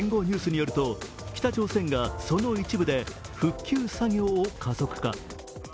ニュースによると北朝鮮がその一部で復旧作業を加速化。